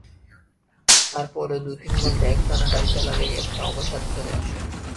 তার পরও দু-তিন ঘণ্টা একটানা গাড়ি চালালেই একটা অবসাদ চলে আসে।